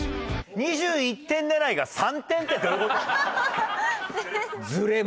２１点狙いが３点ってどういう事？